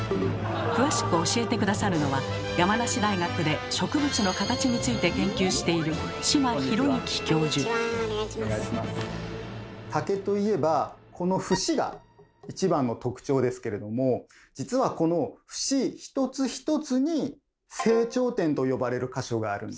詳しく教えて下さるのは山梨大学で植物の形について研究している竹と言えばこの節が一番の特徴ですけれども実はこの節一つ一つに「成長点」と呼ばれる箇所があるんです。